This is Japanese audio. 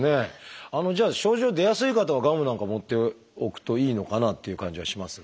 症状出やすい方はガムなんか持っておくといいのかなっていう感じはしますが。